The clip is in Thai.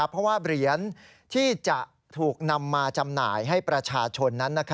เพราะว่าเหรียญที่จะถูกนำมาจำหน่ายให้ประชาชนนั้น